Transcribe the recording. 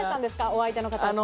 相手の方は。